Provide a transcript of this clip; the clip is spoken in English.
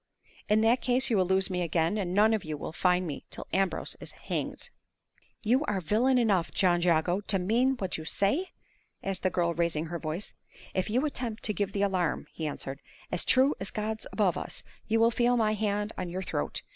"In that case you will lose me again, and none of you will find me till Ambrose is hanged." "Are you villain enough, John Jago, to mean what you say?" asked the girl, raising her voice. "If you attempt to give the alarm," he answered, "as true as God's above us, you will feel my hand on your throat!